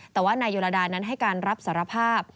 แต่ว่านายโยลาดานั้นให้การรับสารภาพ